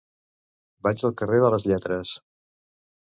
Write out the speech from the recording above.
Vaig al carrer de les Lletres.